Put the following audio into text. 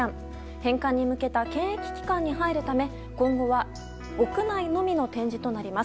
返還に向けた検疫期間に入るため今後は屋内のみの展示となります。